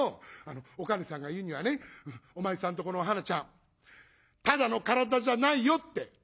おかねさんが言うにはねお前さんとこのお花ちゃんただの体じゃないよって」。